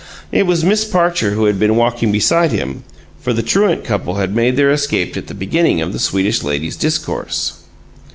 It was Miss Parcher who had been walking beside him, for the truant couple had made their escape at the beginning of the Swedish lady's discourse.